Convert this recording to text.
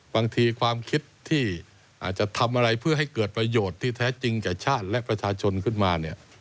บางทีความคิดที่อาจจะทำอะไรเพื่อให้เกิดประโยชน์ที่แท้จริงแก่ชาติและประชาชนขึ้นมาเนี่ย